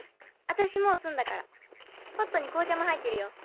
私もう済んだからポットに紅茶も入ってるよ。